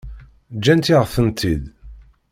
Ǧǧant-yaɣ-tent-id.